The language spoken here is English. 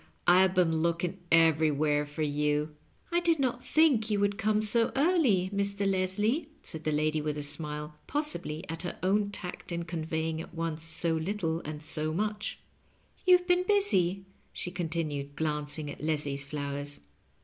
I have been looking everywhere for you." ." I did not think you would come so early, Mr. Leslie," said the lady with a smile, possibly at her own tact in conveying at on6e so little and so much; "You've been busy," she continued, glancing at Leslie's flowers.